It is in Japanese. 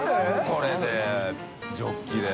これでジョッキで。